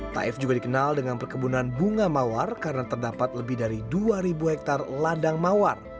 taif juga dikenal dengan perkebunan bunga mawar karena terdapat lebih dari dua ribu hektare ladang mawar